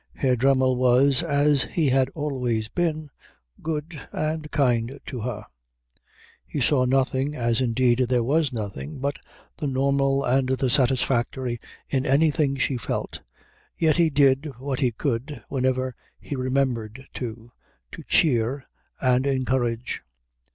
Herr Dremmel was, as he had always been, good and kind to her. He saw nothing, as indeed there was nothing, but the normal and the satisfactory in anything she felt, yet he did what he could, whenever he remembered to, to cheer and encourage.